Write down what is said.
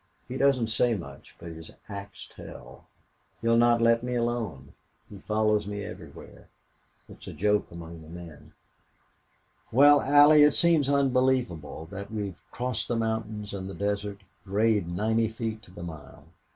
He doesn't say much, but his acts tell. He will not let me alone. He follows me everywhere. It's a joke among the men.... Well Allie, it seems unbelievable that we have crossed the mountains and the desert grade ninety feet to the mile!